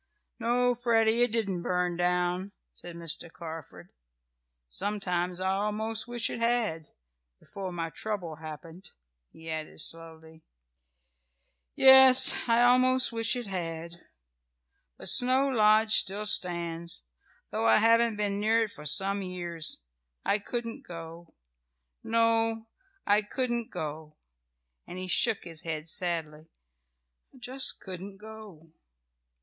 "No, Freddie, it didn't burn down," said Mr. Carford. "Sometimes I almost wish it had before my trouble happened," he added slowly. "Yes, I almost wish it had. But Snow Lodge still stands, though I haven't been near it for some years. I couldn't go. No, I couldn't go," and he shook his head sadly. "I just couldn't go."